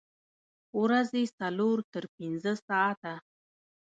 ورځې څلور تر پنځه ساعته